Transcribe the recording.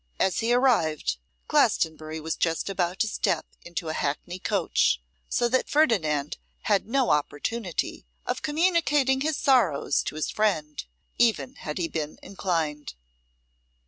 As he arrived, Glastonbury was just about to step into a hackney coach, so that Ferdinand had no opportunity of communicating his sorrows to his friend, even had he been inclined.